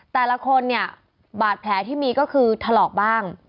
แต่ละคนเนี่ยบาดแผลที่มีก็คือถลอกบ้าง